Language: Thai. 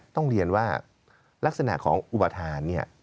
ต้องเรียนว่าลักษณะของอุปทานเนี่ย